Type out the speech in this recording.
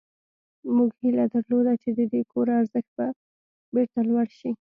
موږ هیله درلوده چې د دې کور ارزښت به بیرته لوړ شي